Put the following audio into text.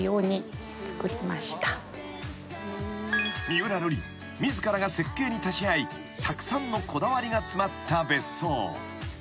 ［三浦瑠麗自らが設計に立ち会いたくさんのこだわりが詰まった別荘］